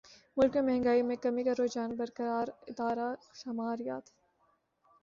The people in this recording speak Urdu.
ملک میں مہنگائی میں کمی کا رجحان برقرار ادارہ شماریات